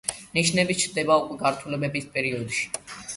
ნიშნები ჩნდება უკვე გართულებების პერიოდში.